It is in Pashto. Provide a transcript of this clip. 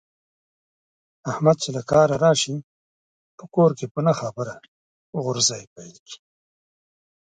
احمد چې له کاره راشي، په کور کې په نه خبره غورزی پیل کړي.